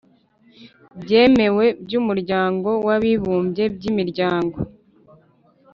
byemewe by'umuryango w'abibumbye, by'imiryango